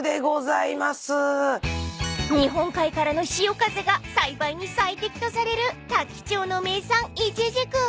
［日本海からの潮風が栽培に最適とされる多伎町の名産イチジク］